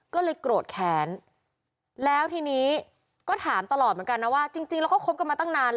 ก็เลยแกล้งเรียกสินสอดอะไรอย่างนี้